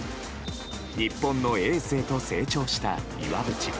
日本のエースへと成長した岩渕。